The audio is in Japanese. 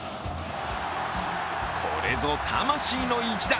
これぞ魂の一打。